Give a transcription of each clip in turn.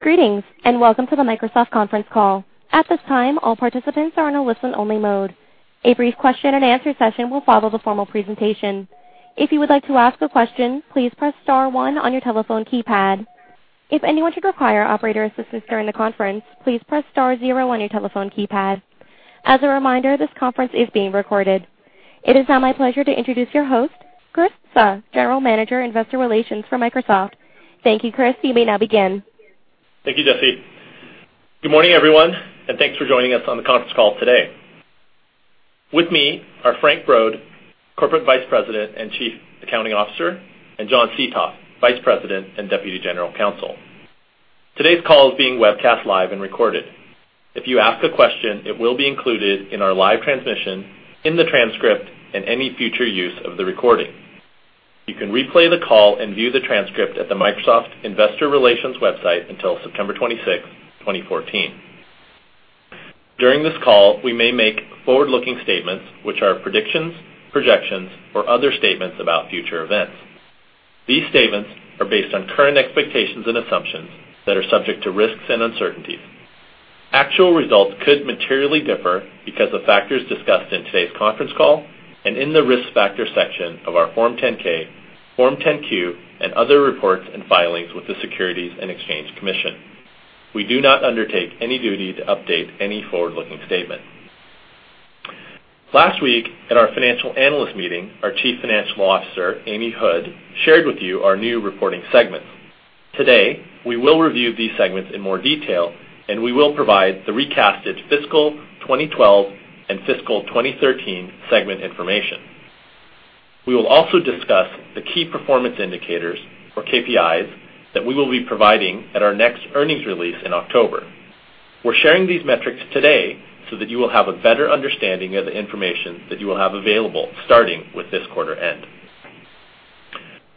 Greetings, welcome to the Microsoft conference call. At this time, all participants are in a listen-only mode. A brief question-and-answer session will follow the formal presentation. If you would like to ask a question, please press star one on your telephone keypad. If anyone should require operator assistance during the conference, please press star zero on your telephone keypad. As a reminder, this conference is being recorded. It is now my pleasure to introduce your host, Chris Suh, General Manager, Investor Relations for Microsoft. Thank you, Chris. You may now begin. Thank you, Jessie. Good morning, everyone, thanks for joining us on the conference call today. With me are Frank Brod, Corporate Vice President and Chief Accounting Officer, and John Seethoff, Vice President and Deputy General Counsel. Today's call is being webcast live and recorded. If you ask a question, it will be included in our live transmission, in the transcript and any future use of the recording. You can replay the call and view the transcript at the Microsoft Investor Relations website until September 26, 2014. During this call, we may make forward-looking statements, which are predictions, projections, or other statements about future events. These statements are based on current expectations and assumptions that are subject to risks and uncertainties. Actual results could materially differ because of factors discussed in today's conference call and in the risk factor section of our Form 10-K, Form 10-Q, and other reports and filings with the Securities and Exchange Commission. We do not undertake any duty to update any forward-looking statement. Last week, at our financial analyst meeting, our Chief Financial Officer, Amy Hood, shared with you our new reporting segments. Today, we will review these segments in more detail, and we will provide the recasted fiscal 2012 and fiscal 2013 segment information. We will also discuss the key performance indicators, or KPIs, that we will be providing at our next earnings release in October. We're sharing these metrics today so that you will have a better understanding of the information that you will have available starting with this quarter end.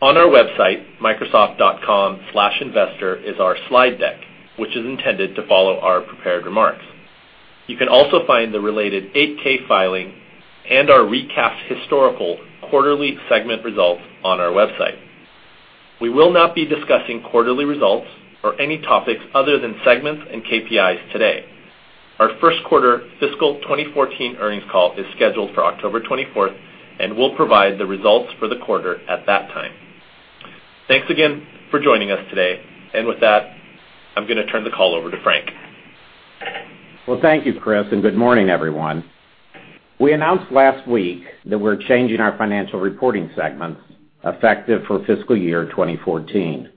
On our website, microsoft.com/investor, is our slide deck, which is intended to follow our prepared remarks. You can also find the related 8-K filing and our recast historical quarterly segment results on our website. We will not be discussing quarterly results or any topics other than segments and KPIs today. Our first quarter fiscal 2014 earnings call is scheduled for October 24 and will provide the results for the quarter at that time. Thanks again for joining us today. With that, I'm going to turn the call over to Frank. Thank you, Chris, and good morning, everyone. We announced last week that we're changing our financial reporting segments effective for fiscal year 2014.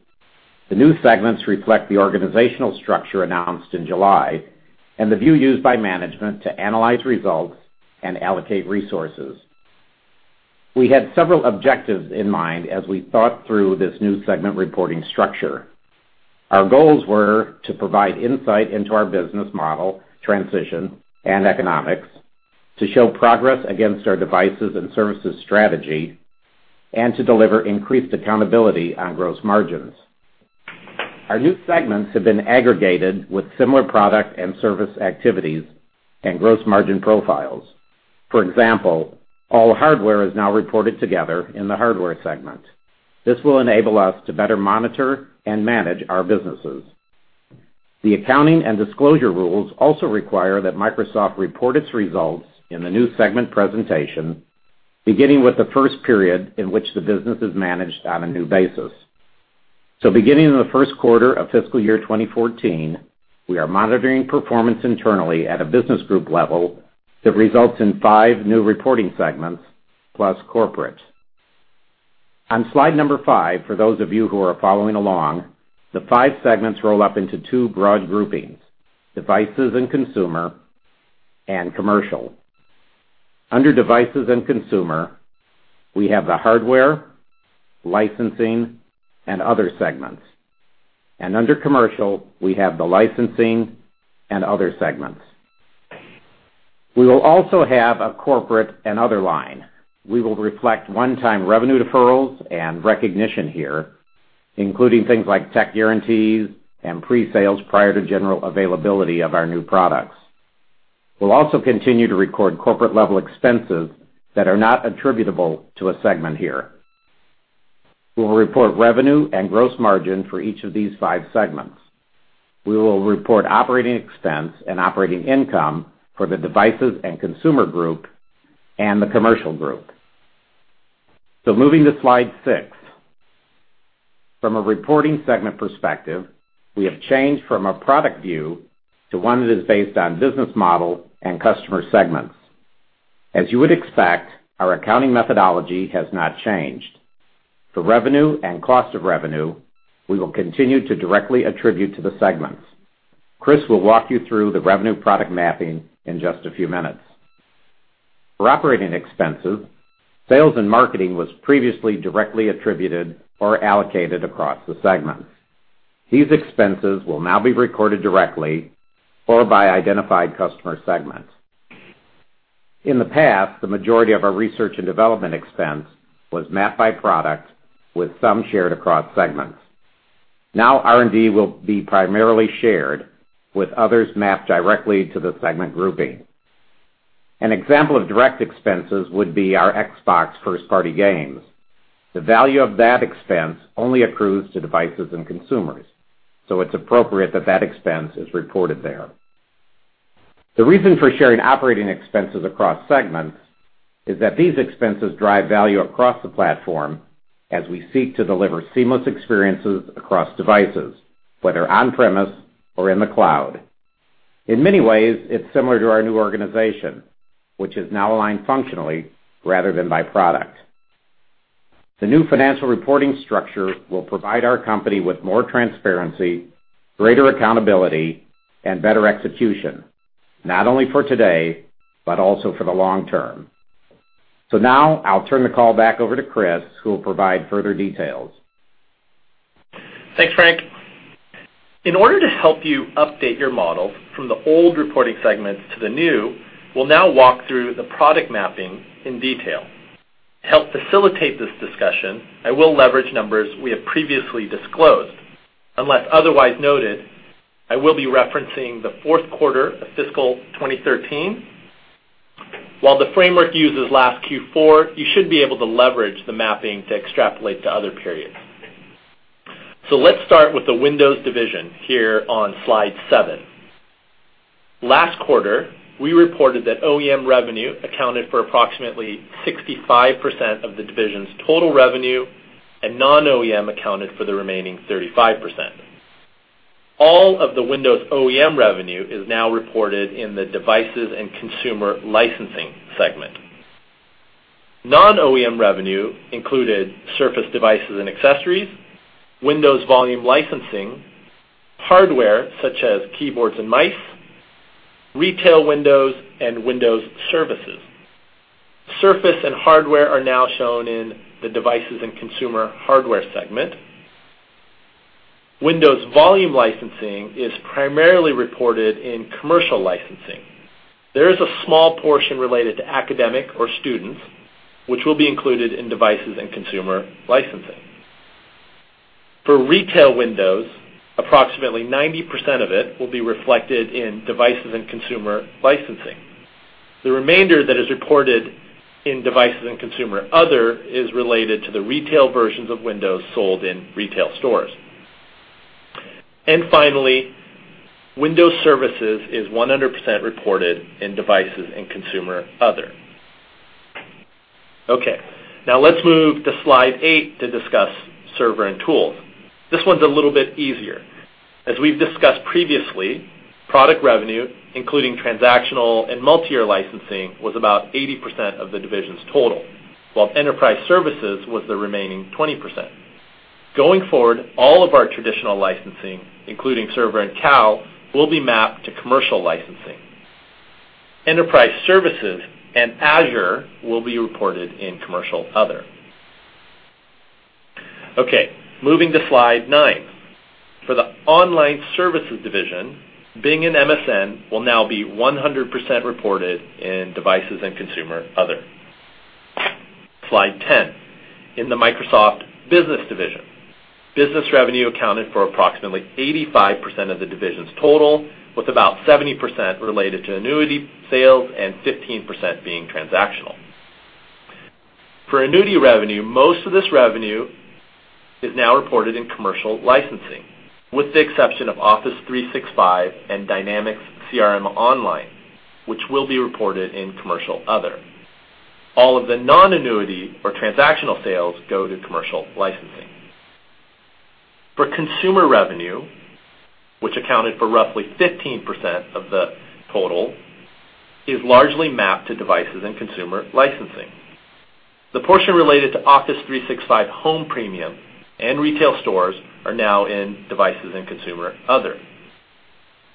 The new segments reflect the organizational structure announced in July and the view used by management to analyze results and allocate resources. We had several objectives in mind as we thought through this new segment reporting structure. Our goals were to provide insight into our business model, transition, and economics, to show progress against our Devices and Services strategy, and to deliver increased accountability on gross margins. Our new segments have been aggregated with similar product and service activities and gross margin profiles. For example, all hardware is now reported together in the Hardware segment. This will enable us to better monitor and manage our businesses. The accounting and disclosure rules also require that Microsoft report its results in the new segment presentation, beginning with the first period in which the business is managed on a new basis. Beginning in the first quarter of fiscal year 2014, we are monitoring performance internally at a business group level that results in five new reporting segments plus Corporate. On slide number five, for those of you who are following along, the five segments roll up into two broad groupings, Devices and Consumer and Commercial. Under Devices and Consumer, we have the Hardware, Licensing, and Other segments. Under Commercial, we have the Licensing and Other segments. We will also have a Corporate and Other line. We will reflect one-time revenue deferrals and recognition here, including things like tech guarantees and pre-sales prior to general availability of our new products. We'll also continue to record corporate level expenses that are not attributable to a segment here. We will report revenue and gross margin for each of these five segments. We will report operating expense and operating income for the Devices and Consumer group and the Commercial group. Moving to slide six. From a reporting segment perspective, we have changed from a product view to one that is based on business model and customer segments. As you would expect, our accounting methodology has not changed. For revenue and cost of revenue, we will continue to directly attribute to the segments. Chris will walk you through the revenue product mapping in just a few minutes. For operating expenses, Sales and Marketing was previously directly attributed or allocated across the segments. These expenses will now be recorded directly or by identified customer segments. In the past, the majority of our Research and Development expense was mapped by product with some shared across segments. R&D will be primarily shared with others mapped directly to the segment grouping. An example of direct expenses would be our Xbox first-party games. The value of that expense only accrues to Devices and Consumer. It's appropriate that that expense is reported there. The reason for sharing operating expenses across segments is that these expenses drive value across the platform as we seek to deliver seamless experiences across devices, whether on-premise or in the cloud. In many ways, it's similar to our new organization, which is now aligned functionally rather than by product. The new financial reporting structure will provide our company with more transparency, greater accountability, and better execution, not only for today, but also for the long term. I'll turn the call back over to Chris, who will provide further details. Thanks, Frank. In order to help you update your models from the old reporting segments to the new, we'll now walk through the product mapping in detail. To help facilitate this discussion, I will leverage numbers we have previously disclosed. Unless otherwise noted, I will be referencing the fourth quarter of fiscal 2013. While the framework uses last Q4, you should be able to leverage the mapping to extrapolate to other periods. Let's start with the Windows division here on slide seven. Last quarter, we reported that OEM revenue accounted for approximately 65% of the division's total revenue and non-OEM accounted for the remaining 35%. All of the Windows OEM revenue is now reported in the Devices and Consumer Licensing segment. Non-OEM revenue included Surface devices and accessories, Windows volume licensing, hardware such as keyboards and mice, retail Windows, and Windows services. Surface and hardware are now shown in the Devices and Consumer Hardware segment. Windows volume licensing is primarily reported in Commercial Licensing. There is a small portion related to academic or students, which will be included in Devices and Consumer Licensing. For retail Windows, approximately 90% of it will be reflected in Devices and Consumer Licensing. The remainder that is reported in Devices and Consumer Other is related to the retail versions of Windows sold in retail stores. Finally, Windows Services is 100% reported in Devices and Consumer Other. Let's move to slide eight to discuss Server and Tools. This one's a little bit easier. As we've discussed previously, product revenue, including transactional and multi-year licensing, was about 80% of the division's total, while Enterprise Services was the remaining 20%. Going forward, all of our traditional licensing, including server and CAL, will be mapped to Commercial Licensing. Enterprise Services and Azure will be reported in Commercial Other. Moving to slide nine. For the Online Services division, Bing and MSN will now be 100% reported in Devices and Consumer Other. Slide 10. In the Microsoft Business Division, business revenue accounted for approximately 85% of the division's total, with about 70% related to annuity sales and 15% being transactional. For annuity revenue, most of this revenue is now reported in Commercial Licensing, with the exception of Office 365 and Dynamics CRM Online, which will be reported in Commercial Other. All of the non-annuity or transactional sales go to Commercial Licensing. For consumer revenue, which accounted for roughly 15% of the total, is largely mapped to Devices and Consumer Licensing. The portion related to Office 365 Home Premium and retail stores are now in Devices and Consumer Other.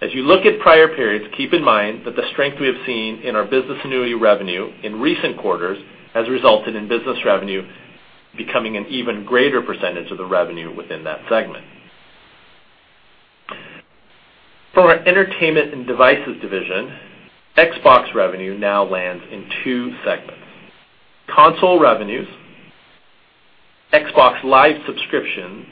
As you look at prior periods, keep in mind that the strength we have seen in our business annuity revenue in recent quarters has resulted in business revenue becoming an even greater percentage of the revenue within that segment. For our Entertainment and Devices Division, Xbox revenue now lands in two segments. Console revenues, Xbox Live subscription,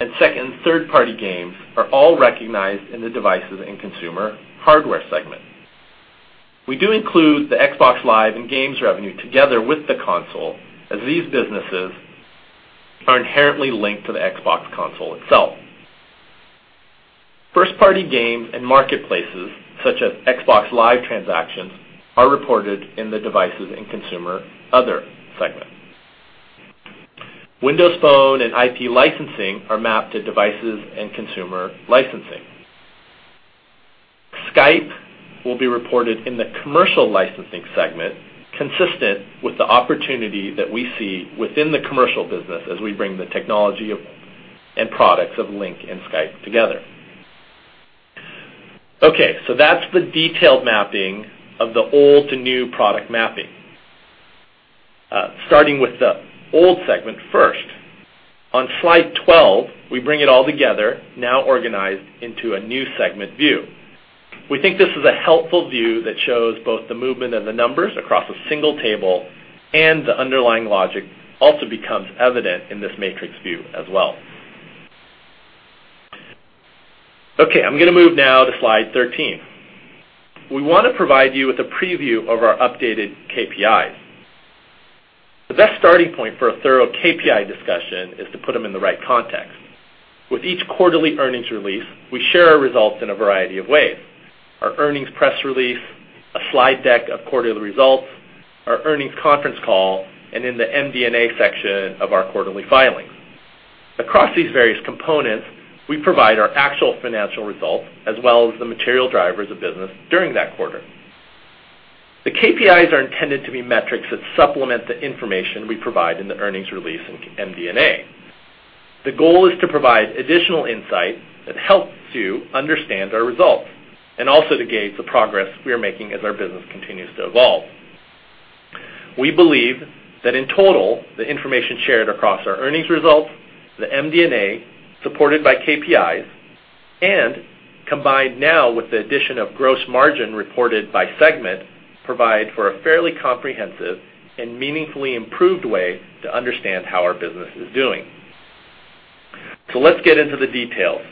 and second and third-party games are all recognized in the Devices and Consumer Hardware segment. We do include the Xbox Live and games revenue together with the console, as these businesses are inherently linked to the Xbox console itself. First-party games and marketplaces, such as Xbox Live transactions, are reported in the Devices and Consumer Other segment. Windows Phone and IP licensing are mapped to Devices and Consumer Licensing. Skype will be reported in the Commercial Licensing segment, consistent with the opportunity that we see within the commercial business as we bring the technology and products of Lync and Skype together. That's the detailed mapping of the old to new product mapping. Starting with the old segment first, on slide 12, we bring it all together, now organized into a new segment view. We think this is a helpful view that shows both the movement of the numbers across a single table and the underlying logic also becomes evident in this matrix view as well. I'm going to move now to slide 13. We want to provide you with a preview of our updated KPIs. The best starting point for a thorough KPI discussion is to put them in the right context. With each quarterly earnings release, we share our results in a variety of ways: our earnings press release, a slide deck of quarterly results, our earnings conference call, and in the MD&A section of our quarterly filings. Across these various components, we provide our actual financial results as well as the material drivers of business during that quarter. The KPIs are intended to be metrics that supplement the information we provide in the earnings release and MD&A. The goal is to provide additional insight that helps you understand our results and also to gauge the progress we are making as our business continues to evolve. We believe that in total, the information shared across our earnings results, the MD&A, supported by KPIs, and combined now with the addition of gross margin reported by segment, provide for a fairly comprehensive and meaningfully improved way to understand how our business is doing. Let's get into the details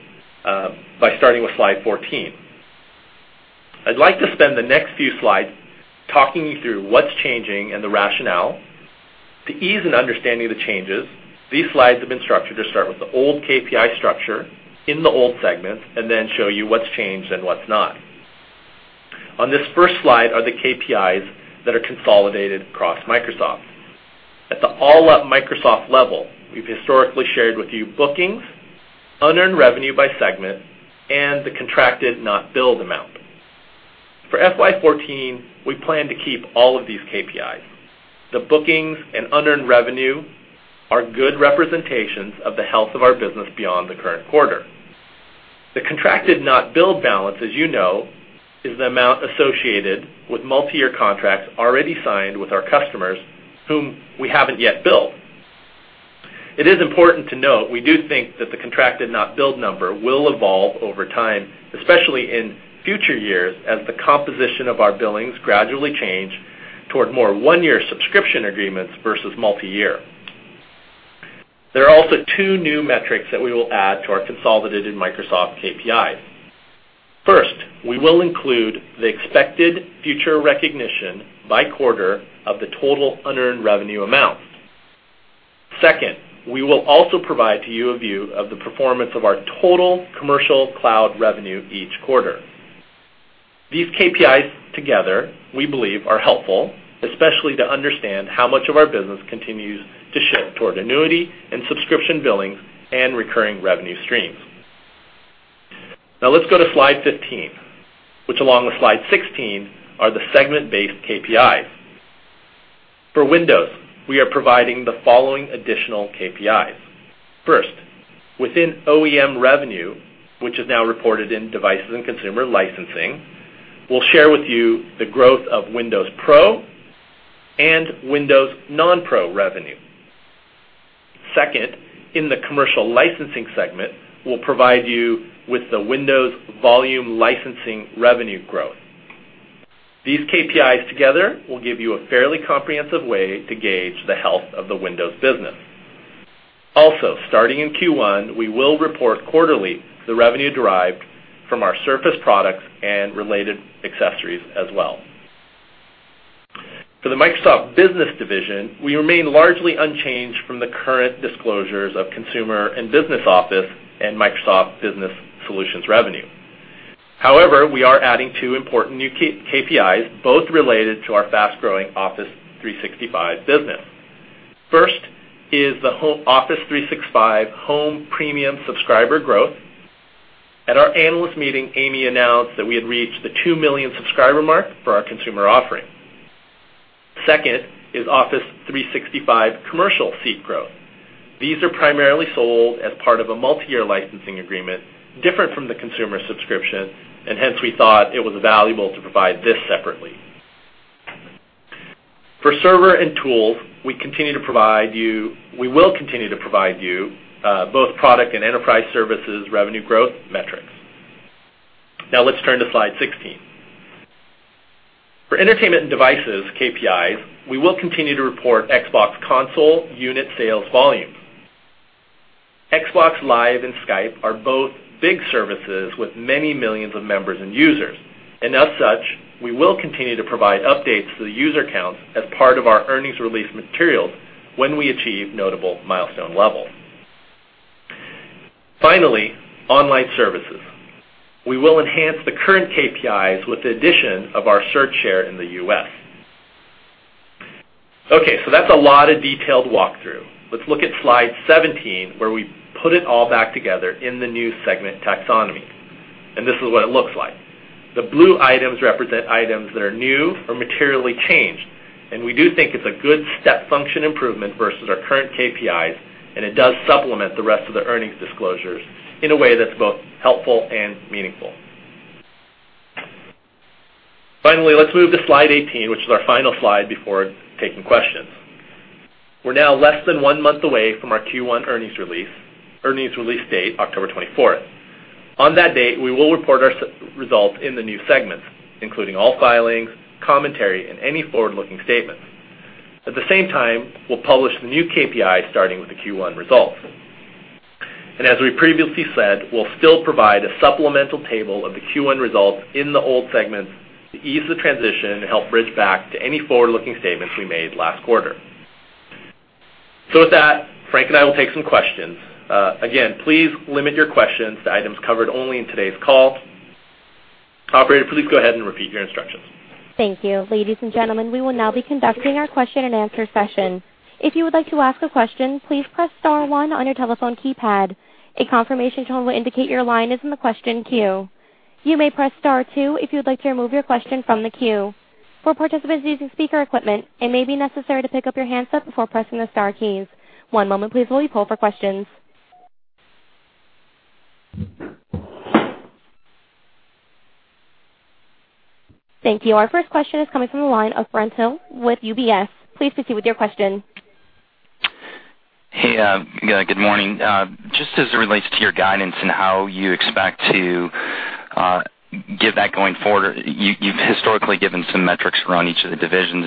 by starting with slide 14. I'd like to spend the next few slides talking you through what's changing and the rationale. To ease in understanding the changes, these slides have been structured to start with the old KPI structure in the old segments and then show you what's changed and what's not. On this first slide are the KPIs that are consolidated across Microsoft. At the all-up Microsoft level, we've historically shared with you bookings, unearned revenue by segment, and the contracted not billed amount. For FY 2014, we plan to keep all of these KPIs. The bookings and unearned revenue are good representations of the health of our business beyond the current quarter. The contracted not billed balance, as you know, is the amount associated with multi-year contracts already signed with our customers whom we haven't yet billed. It is important to note, we do think that the contracted not billed number will evolve over time, especially in future years, as the composition of our billings gradually change toward more one-year subscription agreements versus multi-year. There are also two new metrics that we will add to our consolidated Microsoft KPIs. First, we will include the expected future recognition by quarter of the total unearned revenue amount. Second, we will also provide to you a view of the performance of our total commercial cloud revenue each quarter. These KPIs together, we believe, are helpful, especially to understand how much of our business continues to shift toward annuity and subscription billing and recurring revenue streams. Now let's go to slide 15, which along with slide 16, are the segment-based KPIs. For Windows, we are providing the following additional KPIs. First, within OEM revenue, which is now reported in devices and consumer licensing, we'll share with you the growth of Windows Pro and Windows non-pro revenue. Second, in the Commercial Licensing segment, we'll provide you with the Windows volume licensing revenue growth. These KPIs together will give you a fairly comprehensive way to gauge the health of the Windows business. Also, starting in Q1, we will report quarterly the revenue derived from our Surface products and related accessories as well. For the Microsoft Business Division, we remain largely unchanged from the current disclosures of consumer and business Office and Microsoft Business Solutions revenue. However, we are adding two important new KPIs, both related to our fast-growing Office 365 business. First is the Office 365 Home Premium subscriber growth. At our analyst meeting, Amy announced that we had reached the two million subscriber mark for our consumer offering. Second is Office 365 commercial seat growth. These are primarily sold as part of a multi-year licensing agreement, different from the consumer subscription, and hence we thought it was valuable to provide this separately. For Server and Tools, we will continue to provide you both product and enterprise services revenue growth metrics. Now let's turn to slide 16. For Entertainment and Devices KPIs, we will continue to report Xbox console unit sales volume. Xbox Live and Skype are both big services with many millions of members and users. As such, we will continue to provide updates to the user counts as part of our earnings release materials when we achieve notable milestone levels. Finally, Online Services. We will enhance the current KPIs with the addition of our search share in the U.S. Okay, that's a lot of detailed walkthrough. Let's look at slide 17, where we put it all back together in the new segment taxonomy and this is what it looks like. The blue items represent items that are new or materially changed, and we do think it's a good step function improvement versus our current KPIs, and it does supplement the rest of the earnings disclosures in a way that's both helpful and meaningful. Finally, let's move to slide 18, which is our final slide before taking questions. We're now less than one month away from our Q1 earnings release date, October 24th. On that date, we will report our results in the new segments, including all filings, commentary, and any forward-looking statements. At the same time, we'll publish the new KPI starting with the Q1 results. As we previously said, we'll still provide a supplemental table of the Q1 results in the old segments to ease the transition and help bridge back to any forward-looking statements we made last quarter. With that, Frank and I will take some questions. Again, please limit your questions to items covered only in today's call. Operator, please go ahead and repeat your instructions. Thank you. Ladies and gentlemen, we will now be conducting our question and answer session. If you would like to ask a question, please press star one on your telephone keypad. A confirmation tone will indicate your line is in the question queue. You may press star two if you would like to remove your question from the queue. For participants using speaker equipment, it may be necessary to pick up your handset before pressing the star keys. One moment please while we poll for questions. Thank you. Our first question is coming from the line of Brent Thill with UBS. Please proceed with your question. Hey, good morning. As it relates to your guidance and how you expect to give that going forward, you've historically given some metrics around each of the divisions.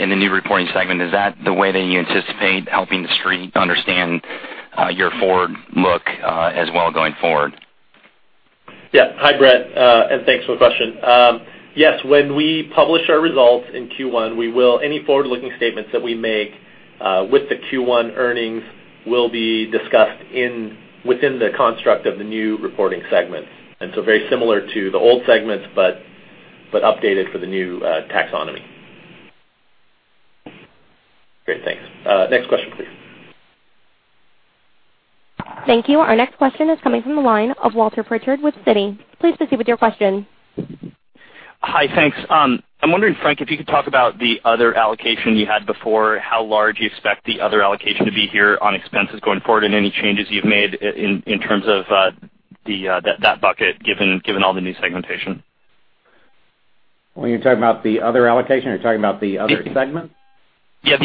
In the new reporting segment, is that the way that you anticipate helping the Street understand your forward look as well going forward? Yeah. Hi, Brent, thanks for the question. Yes, when we publish our results in Q1, any forward-looking statements that we make with the Q1 earnings will be discussed within the construct of the new reporting segments. Very similar to the old segments, but updated for the new taxonomy. Great, thanks. Next question, please. Thank you. Our next question is coming from the line of Walter Pritchard with Citi. Please proceed with your question. Hi, thanks. I'm wondering, Frank, if you could talk about the other allocation you had before, how large you expect the other allocation to be here on expenses going forward and any changes you've made in terms of that bucket, given all the new segmentation. When you're talking about the other allocation, are you talking about the other segment? Yeah,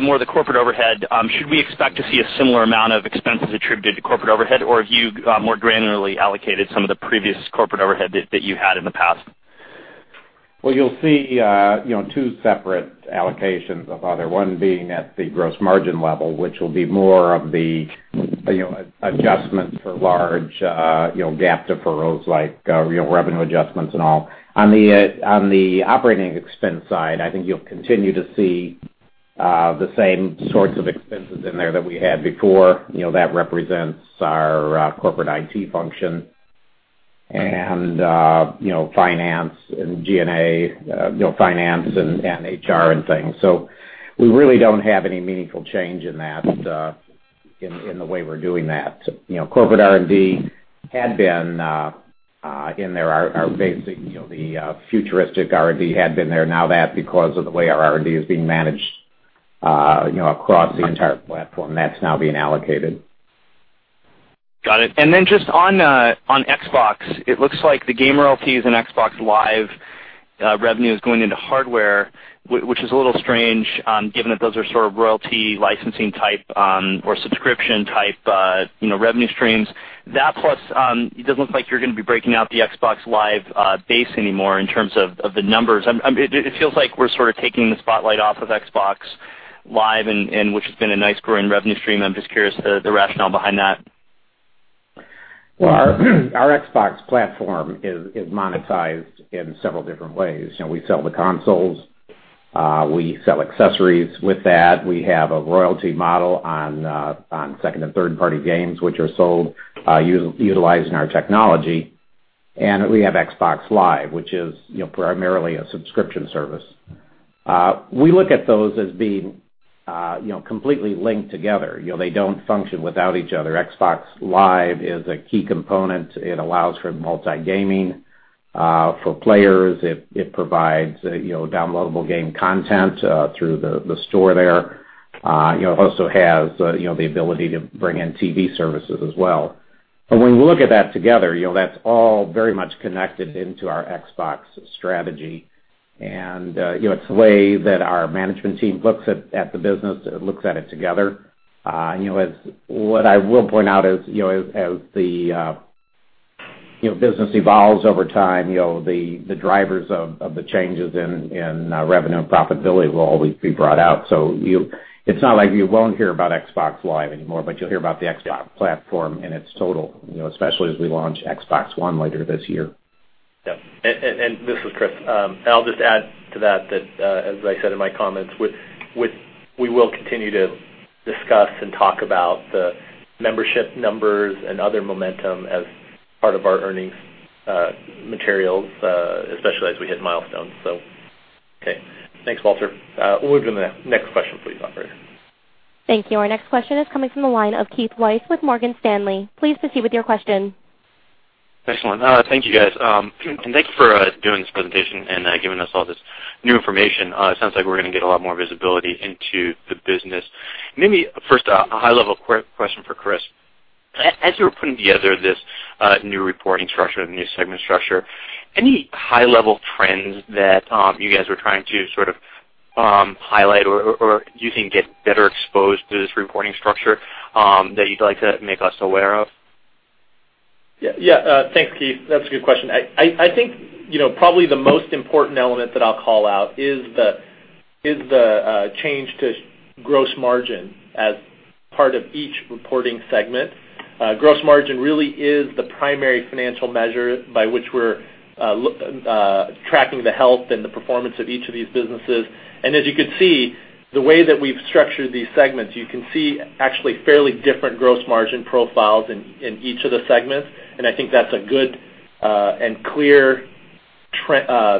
more the corporate overhead. Should we expect to see a similar amount of expenses attributed to corporate overhead? Or have you more granularly allocated some of the previous corporate overhead that you had in the past? Well, you'll see two separate allocations of other, one being at the gross margin level, which will be more of the adjustments for large GAAP deferrals, like revenue adjustments and all. On the operating expense side, I think you'll continue to see the same sorts of expenses in there that we had before that represents our corporate IT function and finance and G&A, finance and HR and things. We really don't have any meaningful change in the way we're doing that. Corporate R&D had been in there. Our basic futuristic R&D had been there. Now that because of the way our R&D is being managed across the entire platform, that's now being allocated. Got it. Then just on Xbox, it looks like the game royalties and Xbox Live revenue is going into hardware, which is a little strange given that those are sort of royalty licensing type or subscription type revenue streams. That plus it doesn't look like you're going to be breaking out the Xbox Live base anymore in terms of the numbers. It feels like we're sort of taking the spotlight off of Xbox Live, which has been a nice growing revenue stream. I'm just curious the rationale behind that? Well, our Xbox platform is monetized in several different ways. We sell the consoles, we sell accessories with that. We have a royalty model on second and third-party games which are sold utilizing our technology. We have Xbox Live, which is primarily a subscription service. We look at those as being completely linked together. They don't function without each other. Xbox Live is a key component. It allows for multi-gaming for players. It provides downloadable game content through the store there. It also has the ability to bring in TV services as well. When we look at that together, that's all very much connected into our Xbox strategy. It's the way that our management team looks at the business, looks at it together. What I will point out is as the business evolves over time, the drivers of the changes in revenue and profitability will always be brought out. It's not like you won't hear about Xbox Live anymore, but you'll hear about the Xbox platform and its total, especially as we launch Xbox One later this year. Yeah. This is Chris. I'll just add to that, as I said in my comments, we will continue to discuss and talk about the membership numbers and other momentum as part of our earnings materials, especially as we hit milestones. Okay. Thanks, Walter. We'll go to the next question please, operator. Thank you. Our next question is coming from the line of Keith Weiss with Morgan Stanley. Please proceed with your question. Excellent. Thank you, guys. Thanks for doing this presentation and giving us all this new information. It sounds like we're going to get a lot more visibility into the business. Maybe first, a high-level question for Chris. As you were putting together this new reporting structure, the new segment structure, any high-level trends that you guys were trying to sort of highlight or you think get better exposed through this reporting structure that you'd like to make us aware of? Yeah. Thanks, Keith. That's a good question. I think, probably the most important element that I'll call out is the change to gross margin as part of each reporting segment. Gross margin really is the primary financial measure by which we're tracking the health and the performance of each of these businesses. As you can see, the way that we've structured these segments, you can see actually fairly different gross margin profiles in each of the segments. I think that's a good and clear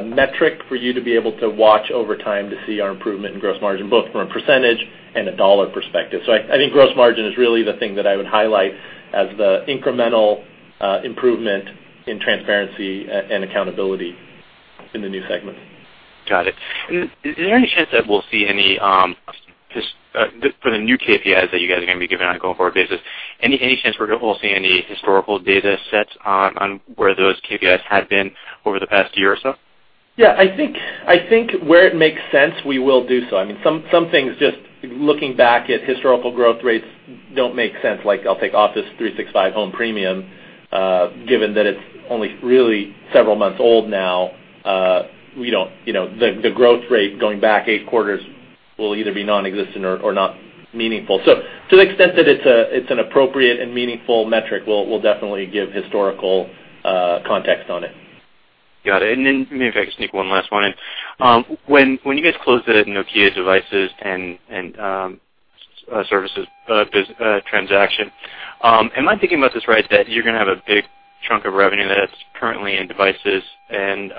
metric for you to be able to watch over time to see our improvement in gross margin, both from a percentage and a dollar perspective. I think gross margin is really the thing that I would highlight as the incremental improvement in transparency and accountability in the new segment. Got it. Is there any chance that we'll see any, for the new KPIs that you guys are going to be giving on a going forward basis, any chance we're going to see any historical data sets on where those KPIs have been over the past year or so? Yeah, I think where it makes sense, we will do so. Some things, just looking back at historical growth rates, don't make sense. Like I'll take Office 365 Home Premium, given that it's only really several months old now, the growth rate going back eight quarters will either be non-existent or not meaningful. To the extent that it's an appropriate and meaningful metric, we'll definitely give historical context on it. Got it. Maybe if I could sneak one last one in. When you guys closed the Nokia devices and services transaction, am I thinking about this right, that you're going to have a big chunk of revenue that's currently in devices and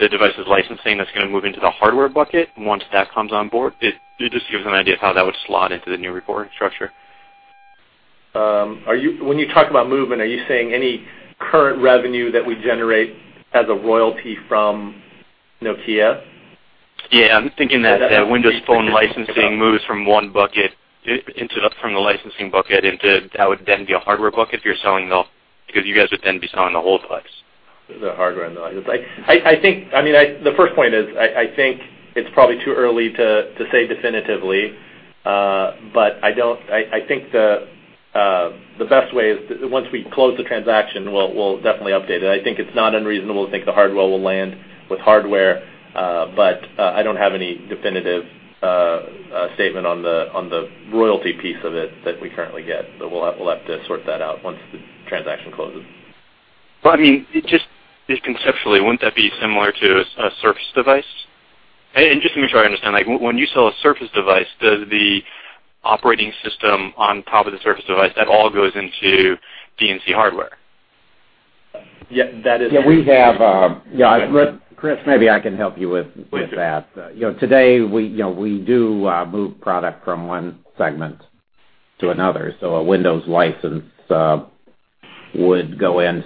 the devices licensing that's going to move into the hardware bucket once that comes on board? It just gives an idea of how that would slot into the new reporting structure. When you talk about movement, are you saying any current revenue that we generate as a royalty from Nokia? Yeah, I'm thinking that Windows Phone licensing moves from the licensing bucket into that would then be a hardware bucket you're selling, though, because you guys would then be selling the whole device. The hardware and the others. The first point is, I think it's probably too early to say definitively, but I think the best way is once we close the transaction, we'll definitely update it. I think it's not unreasonable to think the hardware will land with hardware, but, I don't have any definitive statement on the royalty piece of it that we currently get. We'll have to sort that out once the transaction closes. Just conceptually, wouldn't that be similar to a Surface device? Just to make sure I understand, when you sell a Surface device, does the operating system on top of the Surface device, that all goes into D&C hardware? Yeah, that is. Yeah. Chris, maybe I can help you with that. Thank you. Today, we do move product from one segment to another. A Windows license would go in.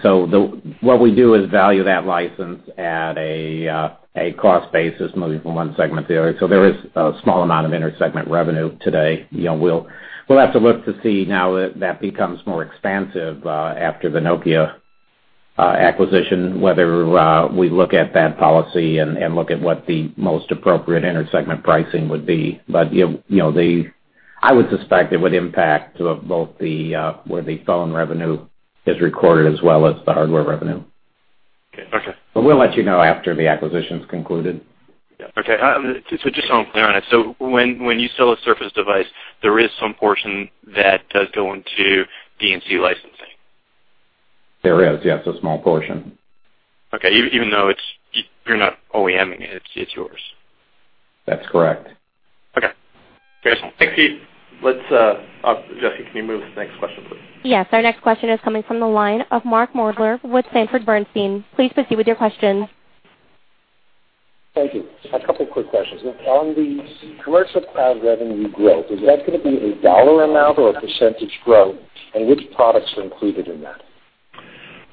What we do is value that license at a cost basis moving from one segment to the other. There is a small amount of inter-segment revenue today. We'll have to look to see now that that becomes more expansive after the Nokia acquisition, whether we look at that policy and look at what the most appropriate inter-segment pricing would be. I would suspect it would impact both where the phone revenue is recorded as well as the hardware revenue. Okay. We'll let you know after the acquisition's concluded. Okay. Just so I'm clear on it, when you sell a Surface device, there is some portion that does go into D&C licensing. There is, yes, a small portion. Okay. Even though you're not OEM-ing it's yours. That's correct. Okay. Thanks, Keith. Jessie, can you move to the next question, please? Yes. Our next question is coming from the line of Mark Moerdler with Sanford Bernstein. Please proceed with your question. Thank you. A couple of quick questions. On the commercial cloud revenue growth, is that going to be a dollar amount or a percentage growth, which products are included in that?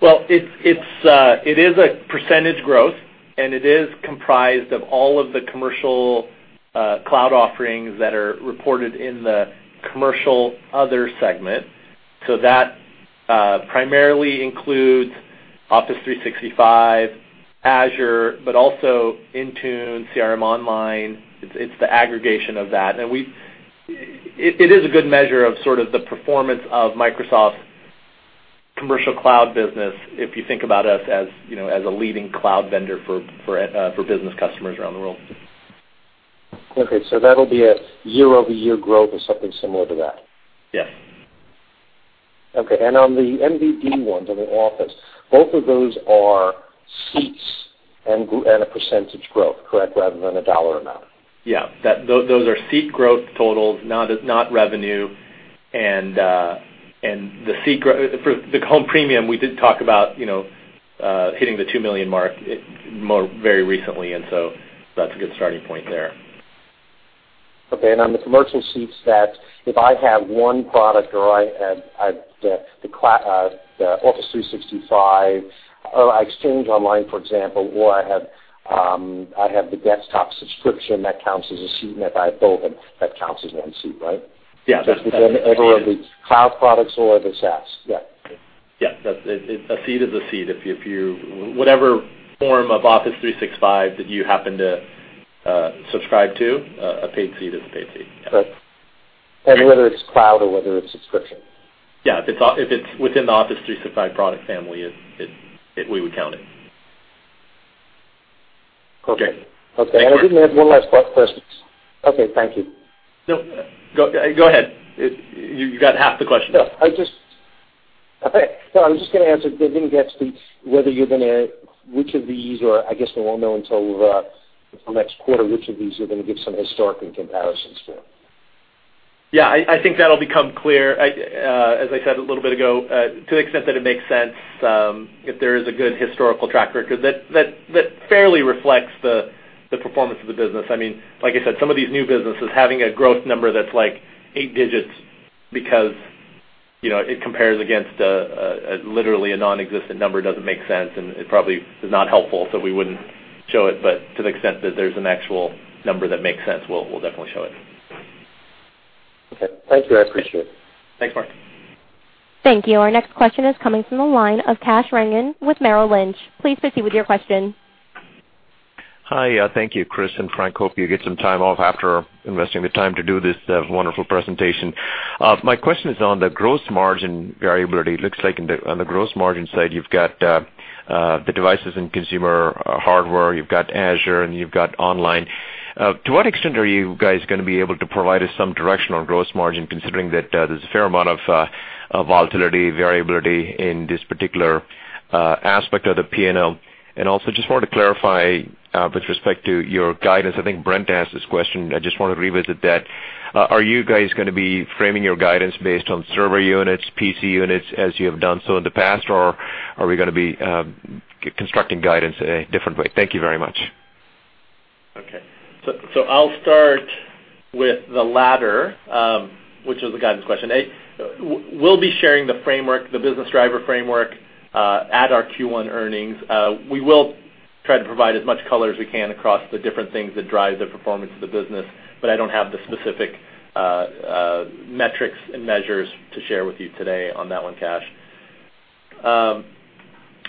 It is a percentage growth, and it is comprised of all of the commercial cloud offerings that are reported in the Commercial Other segment. That primarily includes Office 365, Azure, but also Intune, CRM Online. It's the aggregation of that. It is a good measure of sort of the performance of Microsoft commercial cloud business if you think about us as a leading cloud vendor for business customers around the world. Okay. That'll be a year-over-year growth or something similar to that? Yes. Okay. On the [NBD ones and the Office, both of those are seats and a percentage growth correct? Rather than a dollar amount. Yeah. Those are seat growth totals, not revenue. For the Home Premium, we did talk about hitting the 2 million mark very recently, and so that's a good starting point there. Okay. On the commercial seats stats, if I have one product or I have the Office 365 or Exchange Online, for example, or I have the desktop subscription, that counts as a seat, and if I have both, that counts as one seat, right? Yeah. For either of the cloud products or the SaaS. Yeah. Yeah. A seat is a seat. Whatever form of Office 365 that you happen to subscribe to, a paid seat is a paid seat. Yeah. Whether it's cloud or whether it's subscription. Yeah, if it's within the Office 365 product family, we would count it. Okay. Okay. Okay. I did have one last question. Okay. Thank you. No. Go ahead. You got half the question out. No, I was just going to ask, I didn't get to which of these, or I guess we won't know until the next quarter, which of these you're going to give some historical comparisons for. Yeah, I think that'll become clear, as I said a little bit ago, to the extent that it makes sense, if there is a good historical tracker, because that fairly reflects the performance of the business. Like I said, some of these new businesses, having a growth number that's 8 digits because it compares against literally a non-existent number doesn't make sense, and it probably is not helpful, so we wouldn't show it. To the extent that there's an actual number that makes sense, we'll definitely show it. Okay. Thank you. I appreciate it. Thanks, Mark. Thank you. Our next question is coming from the line of Kash Rangan with Merrill Lynch. Please proceed with your question. Hi. Thank you, Chris and Frank. Hope you get some time off after investing the time to do this wonderful presentation. My question is on the gross margin variability. It looks like on the gross margin side, you've got the devices and consumer hardware, you've got Azure, and you've got online. To what extent are you guys going to be able to provide us some direction on gross margin, considering that there's a fair amount of volatility, variability in this particular aspect of the P&L? Also, just wanted to clarify, with respect to your guidance, I think Brent asked this question, I just want to revisit that. Are you guys going to be framing your guidance based on server units, PC units, as you have done so in the past, or are we going to be constructing guidance a different way? Thank you very much. I'll start with the latter, which is the guidance question. We'll be sharing the framework, the business driver framework, at our Q1 earnings. We will try to provide as much color as we can across the different things that drive the performance of the business. I don't have the specific metrics and measures to share with you today on that one, Kash.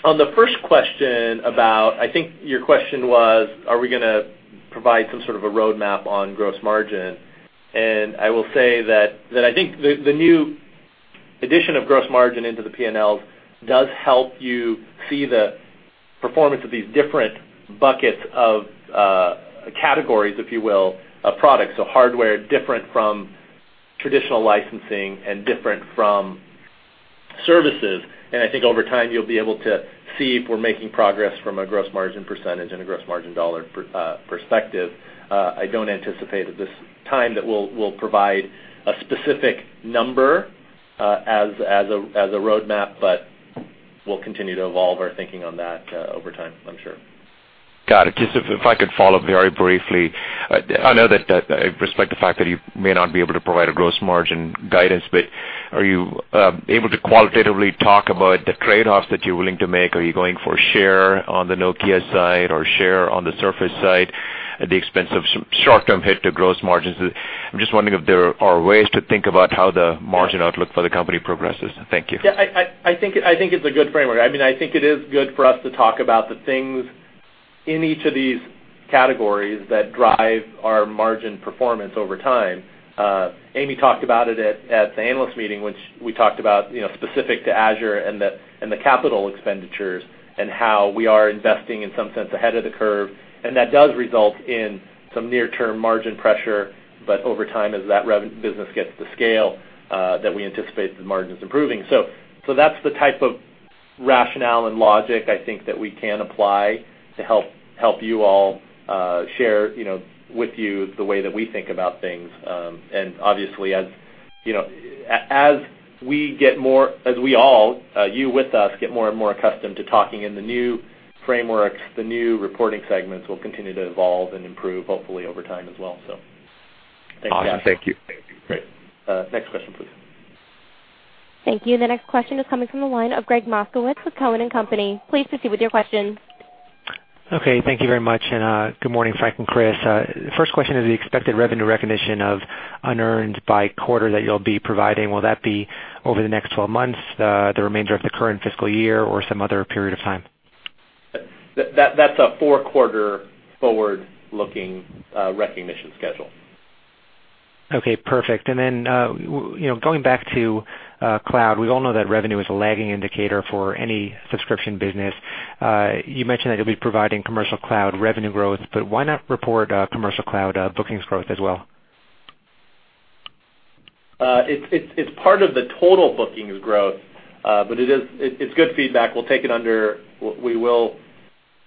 On the first question about, I think your question was, are we going to provide some sort of a roadmap on gross margin, I will say that I think the new addition of gross margin into the P&Ls does help you see the performance of these different buckets of categories, if you will, of products. Hardware different from traditional licensing and different from services. I think over time, you'll be able to see if we're making progress from a gross margin percentage and a gross margin dollar perspective. I don't anticipate at this time that we'll provide a specific number as a roadmap, we'll continue to evolve our thinking on that over time, I'm sure. Got it. Just if I could follow very briefly. I know that I respect the fact that you may not be able to provide a gross margin guidance, are you able to qualitatively talk about the trade-offs that you're willing to make? Are you going for share on the Nokia side, or share on the Surface side at the expense of short-term hit to gross margins? I'm just wondering if there are ways to think about how the margin outlook for the company progresses. Thank you. I think it's a good framework. I think it is good for us to talk about the things in each of these categories that drive our margin performance over time. Amy talked about it at the analyst meeting, which we talked about specific to Azure and the capital expenditures and how we are investing, in some sense, ahead of the curve. That does result in some near-term margin pressure. Over time, as that business gets to scale, that we anticipate the margins improving. That's the type of rationale and logic I think that we can apply to help you all share with you the way that we think about things. Obviously, as we all, you with us, get more and more accustomed to talking in the new frameworks, the new reporting segments, we'll continue to evolve and improve, hopefully, over time as well. Thank you. Awesome. Thank you. Great. Next question, please. Thank you. The next question is coming from the line of Gregg Moskowitz with Cowen and Company. Please proceed with your question. Okay, thank you very much, and good morning, Frank and Chris. First question is the expected revenue recognition of unearned by quarter that you'll be providing. Will that be over the next 12 months, the remainder of the current fiscal year, or some other period of time? That's a four-quarter forward-looking recognition schedule. Okay, perfect. Going back to cloud, we all know that revenue is a lagging indicator for any subscription business. You mentioned that you'll be providing commercial cloud revenue growth, why not report commercial cloud bookings growth as well? It's part of the total bookings growth, it's good feedback. We will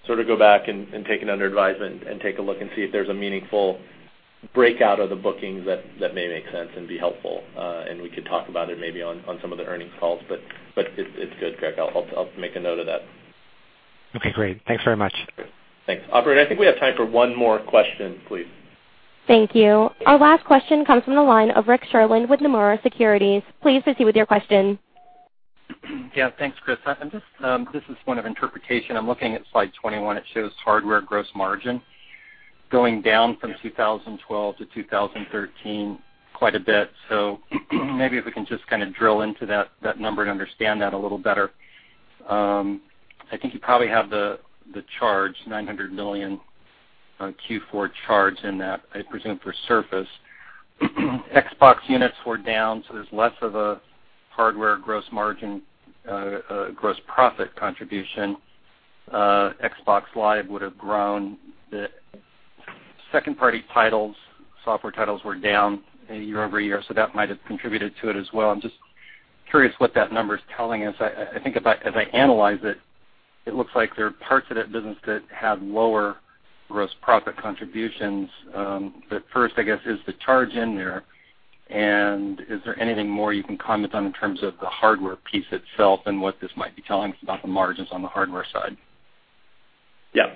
sort of go back and take it under advisement and take a look and see if there's a meaningful breakout of the bookings that may make sense and be helpful, and we could talk about it maybe on some of the earnings calls. It's good, Gregg. I'll make a note of that. Okay, great. Thanks very much. Thanks. Operator, I think we have time for one more question, please. Thank you. Our last question comes from the line of Rick Sherlund with Nomura Securities. Please proceed with your question. Yeah, thanks, Chris. This is one of interpretation. I'm looking at slide 21. It shows hardware gross margin going down from 2012 to 2013 quite a bit. Maybe if we can just kind of drill into that number to understand that a little better. I think you probably have the charge, $900 million On Q4 charge in that, I presume for Surface. Xbox units were down, so there's less of a hardware gross margin, gross profit contribution. Xbox Live would've grown. The second-party titles, software titles were down year-over-year, so that might have contributed to it as well. I'm just curious what that number's telling us. I think as I analyze it looks like there are parts of that business that have lower gross profit contributions. First, I guess, is the charge in there, and is there anything more you can comment on in terms of the hardware piece itself and what this might be telling us about the margins on the hardware side? Yeah.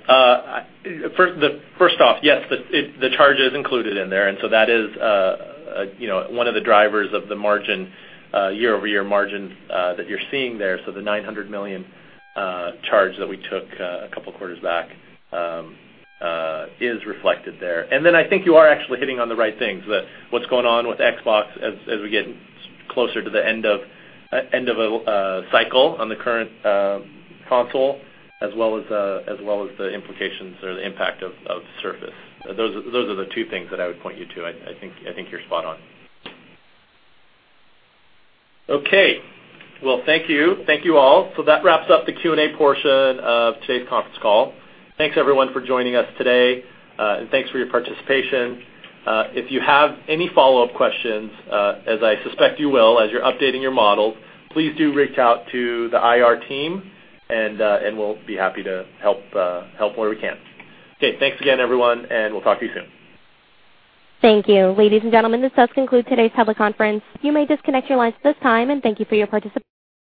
First off, yes, the charge is included in there, that is one of the drivers of the year-over-year margin that you're seeing there. The $900 million charge that we took a couple quarters back is reflected there. I think you are actually hitting on the right things. What's going on with Xbox as we get closer to the end of a cycle on the current console, as well as the implications or the impact of Surface. Those are the two things that I would point you to. I think you're spot on. Okay. Well, thank you. Thank you all. That wraps up the Q&A portion of today's conference call. Thanks everyone for joining us today, and thanks for your participation. If you have any follow-up questions, as I suspect you will as you're updating your models, please do reach out to the IR team, and we'll be happy to help where we can. Okay. Thanks again, everyone, and we'll talk to you soon. Thank you. Ladies and gentlemen, this does conclude today's public conference. You may disconnect your lines at this time, and thank you for your participation.